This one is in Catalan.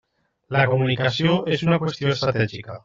La comunicació és una qüestió estratègica.